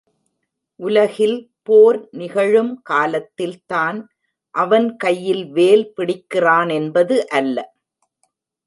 உலகில் போர் நிகழும் காலத்தில் தான் அவன் கையில் வேல் பிடிக்கிறான் என்பது அல்ல.